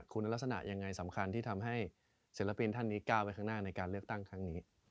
คุณลักษณะยังไงสำคัญที่ทำให้ศิลปินท่านนี้ก้าวไปข้างหน้าในการเลือกตั้งครั้งนี้